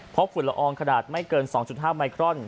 เพราะฝุ่นละอองขนาดไม่เกิน๒๕มิกรอนต์